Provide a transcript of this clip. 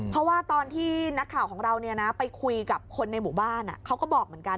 เพราะว่าตอนที่นักข่าวของเราไปคุยกับคนในหมู่บ้านเขาก็บอกเหมือนกัน